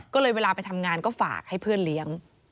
ก็เลยเวลาไปทำงานก็ฝากให้เพื่อนเลี้ยง